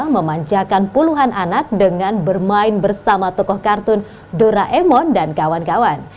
memanjakan puluhan anak dengan bermain bersama tokoh kartun doraemon dan kawan kawan